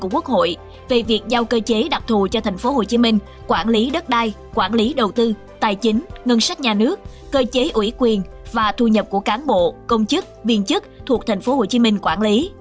quản lý đất đai quản lý đầu tư tài chính ngân sách nhà nước cơ chế ủy quyền và thu nhập của cán bộ công chức viên chức thuộc tp hcm quản lý